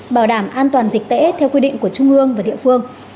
bảo đảm an toàn dịch tễ theo quy định của trung ương và địa phương